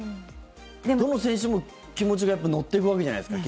どの選手も気持ちが乗っていくわけじゃないですか。